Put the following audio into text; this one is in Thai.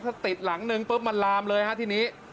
ถ้าติดหลังนึงปุ๊บมันลามเลยฮะทีนี้